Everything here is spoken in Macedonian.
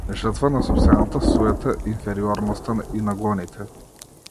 Жртва на сопствената суета, инфериорноста и нагоните.